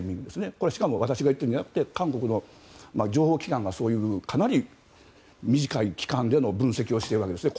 これしかも私が言っているのではなくて韓国の情報機関がかなりそういう短い期間での分析をしているわけですね。